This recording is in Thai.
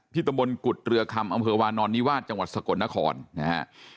ตะบนกุฎเรือคำอำเภอวานอนนิวาสจังหวัดสกลนครนะฮะ